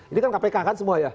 ini kan kpk kan semua ya